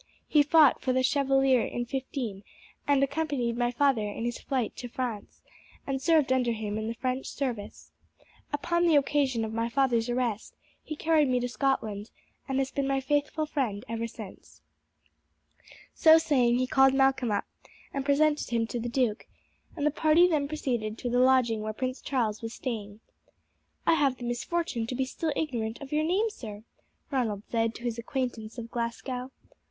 He fought for the Chevalier in '15, and accompanied my father in his flight to France, and served under him in the French service. Upon the occasion of my father's arrest he carried me to Scotland, and has been my faithful friend ever since." So saying he called Malcolm up and presented him to the duke, and the party then proceeded to the lodging where Prince Charles was staying. "I have the misfortune to be still ignorant of your name, sir," Ronald said to his acquaintance of Glasgow.